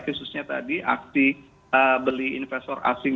khususnya tadi aksi beli investor asing